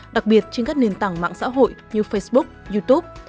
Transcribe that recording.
đặc biệt trên các nền tảng mạng xã hội như facebook youtube